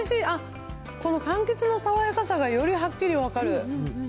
あっ、このかんきつの爽やかさがよりはっきり分かる。